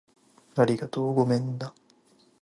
ありがとう。ごめんな